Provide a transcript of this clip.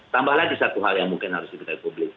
tambahlah di satu hal yang mungkin harus kita publik